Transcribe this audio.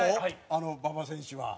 あの馬場選手は。